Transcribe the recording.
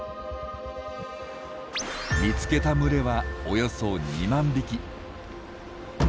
見つけた群れはおよそ２万匹。